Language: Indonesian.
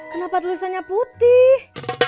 kenapa tulisannya putih